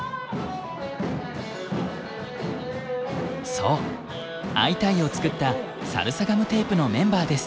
そう「アイタイ！」を作ったサルサガムテープのメンバーです。